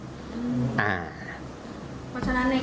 เพราะฉะนั้นในกรณีนี้ก็จะยากกว่าเคสนั้นนิดหนึ่ง